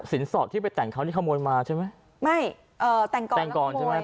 สอดที่ไปแต่งเขานี่ขโมยมาใช่ไหมไม่เอ่อแต่งก่อนแต่งก่อนใช่ไหม